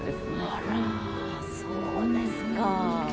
あらそうですか。